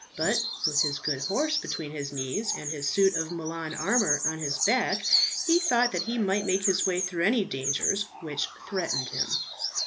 But with his good horse between his knees, and his suit of Milan armour on his back, he thought that he might make his way through any dangers which threatened him.